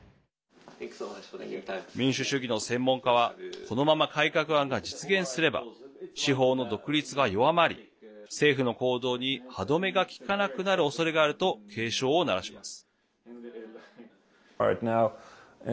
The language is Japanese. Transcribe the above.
民主主義の専門家はこのまま改革案が実現すれば司法の独立が弱まり政府の行動に歯止めがきかなくなるおそれがあると警鐘を鳴らします。